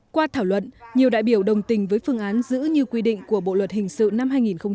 qua thảo luận nhiều đại biểu đồng tình với phương án giữ như quy định của bộ luật hình sự năm hai nghìn một mươi năm